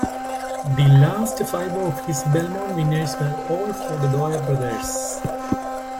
The last five of his Belmont winners were all for the Dwyer Brothers.